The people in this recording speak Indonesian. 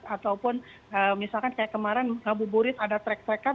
ataupun misalkan kayak kemarin abu burit ada trek trekan